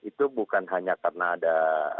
itu bukan hanya karena ada